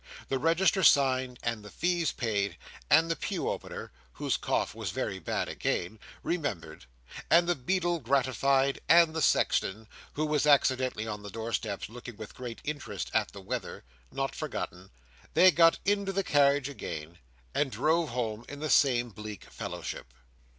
The register signed, and the fees paid, and the pew opener (whose cough was very bad again) remembered, and the beadle gratified, and the sexton (who was accidentally on the doorsteps, looking with great interest at the weather) not forgotten, they got into the carriage again, and drove home in the same bleak fellowship.